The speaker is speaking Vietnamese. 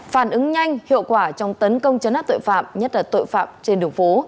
phản ứng nhanh hiệu quả trong tấn công chấn áp tội phạm nhất là tội phạm trên đường phố